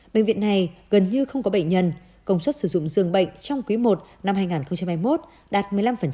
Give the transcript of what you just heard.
bệnh viện này gần như không có bệnh nhân công suất sử dụng dường bệnh trong quý i năm hai nghìn hai mươi một đạt một mươi năm